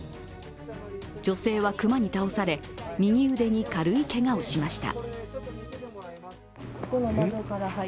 女性は熊に倒され、右腕に軽いけがをしました。